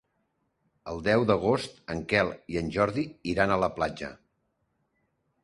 El deu d'agost en Quel i en Jordi iran a la platja.